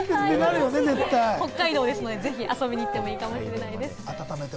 北海道ですので、ぜひ遊びに行ってもいいかもしれないです。